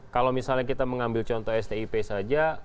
kalau misalnya kita mengambil contoh stip saja